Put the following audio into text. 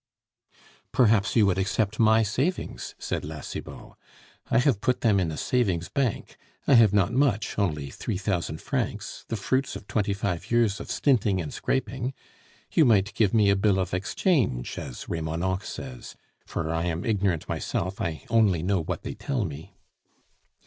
"Perhaps you would accept my savings," said La Cibot. "I have put them in a savings bank. I have not much, only three thousand francs, the fruits of twenty five years of stinting and scraping. You might give me a bill of exchange, as Remonencq says; for I am ignorant myself, I only know what they tell me."